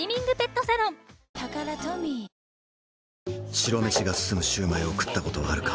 白飯が進むシュウマイを食ったことはあるか？